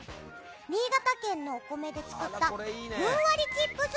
新潟県のお米で作ったふんわりチップス。